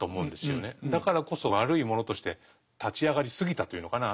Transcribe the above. だからこそ悪いものとして立ち上がりすぎたというのかな